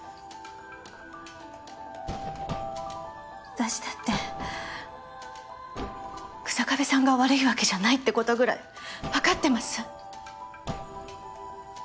私だって日下部さんが悪いわけじゃないってことぐらいわかってます。